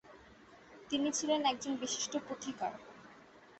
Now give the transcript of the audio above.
তিনি ছিলেন একজন বিশিষ্ট পুঁথিকার।